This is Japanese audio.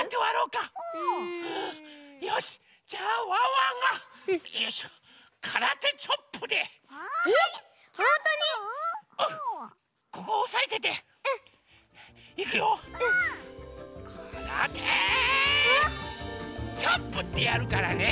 「からてチョップ！」ってやるからね。